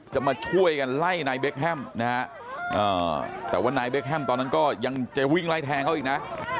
มาช่วยกันไล่นายเบคแฮมนะฮะแต่ว่านายเบคแฮมตอนนั้นก็ยังจะวิ่งไล่แทงเขาอีกนะ